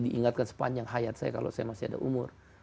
diingatkan sepanjang hayat saya kalau saya masih ada umur